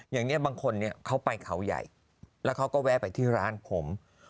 อย่างนี้บางคนเขาไปเขาใหญ่แล้วเขาก็แวะไปที่ร้านผม